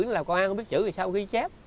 nó làm công an không biết chữ thì sao ghi chép